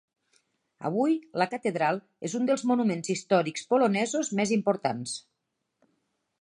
Avui, la catedral és un dels monuments històrics polonesos més importants.